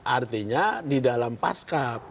artinya di dalam pasca